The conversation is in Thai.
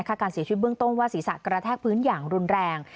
การเสียชีวิตเบื้องต้นว่าศีรษะกระแทกพื้นอย่างรุนแรง